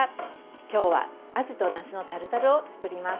今日はあじと梨のタルタルを作ります。